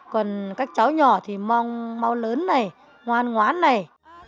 còn các cháu nhỏ thì mong mau lớn này ngoan ngoán này